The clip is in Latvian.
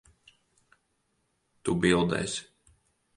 Tu bildēsi.